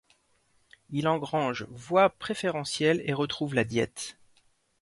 Il engrange voix préférentielles et retrouve la Diète.